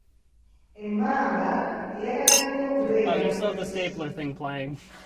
Emmamba eyagala nnyo okubeera mu ttosi.